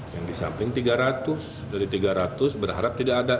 yang di samping tiga ratus dari tiga ratus berharap tidak ada